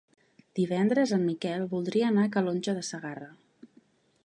Divendres en Miquel voldria anar a Calonge de Segarra.